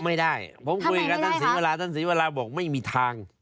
ไม่ได้ผมคุยกับท่านศรีวราท่านศรีวราบอกไม่มีทาง